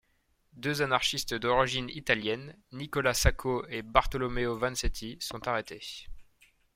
Deux anarchistes d'origine italienne, Nicola Sacco et Bartolomeo Vanzetti sont arrêtés.